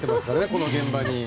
この現場に。